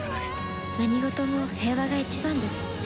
何事も平和が一番です。